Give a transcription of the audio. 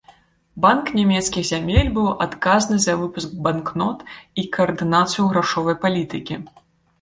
Банк нямецкіх зямель быў адказны за выпуск банкнот і каардынацыю грашовай палітыкі.